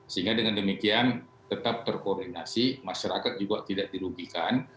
sehingga dengan demikian tetap terkoordinasi masyarakat juga tidak dirugikan